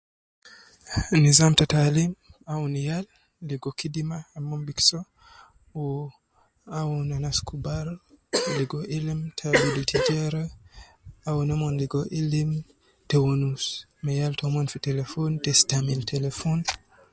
Nizam ta taalim awunu yal ligo kidima Al umongi so Wu awunu anas kubar ligo ilim ta abidu tijara au wnomon ilim ta ligo au Istimal telephone